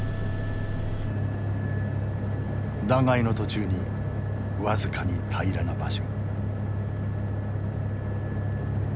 断崖の途中に僅かに平らな場所。